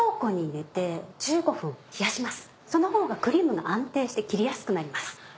そのほうがクリームが安定して切りやすくなります。